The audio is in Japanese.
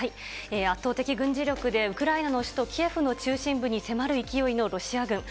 圧倒的軍事力でウクライナの首都キエフの中心部に迫る勢いのロシア軍。